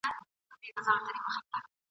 او له سترګو یې د اوښکو رود وو تاللی ..